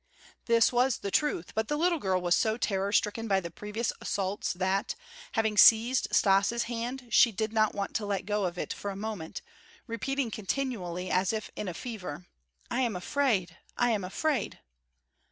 This was the truth, but the little girl was so terror stricken by the previous assaults that, having seized Stas' hand, she did not want to let go of it for a moment, repeating continually, as if in a fever: "I am afraid! I am afraid!"